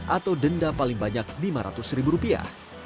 atau denda paling banyak lima ratus ribu rupiah